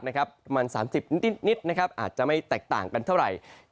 ประมาณ๓๐นิดอาจจะไม่แตกต่างกันเท่าไหร่